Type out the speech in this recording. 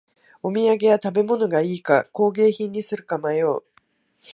お土産は食べ物がいいか工芸品にするか迷う